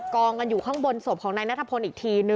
กองกันอยู่ข้างบนศพของนายนัทพลอีกทีนึง